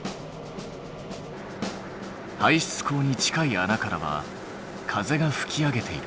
排出口に近い穴からは風が吹き上げている。